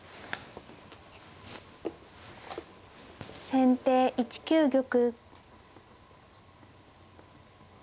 先手１九玉。